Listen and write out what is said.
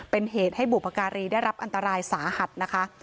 เป็นเหตุให้บุพการีได้รับอันตรายสาหัสนะคะ